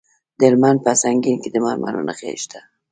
د هلمند په سنګین کې د مرمرو نښې شته.